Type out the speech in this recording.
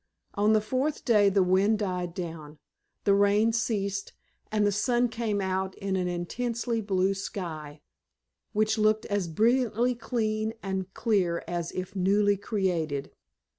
On the fourth day the wind died down, the rain ceased, and the sun came out in an intensely blue sky, which looked as brilliantly clean and clear as if newly created.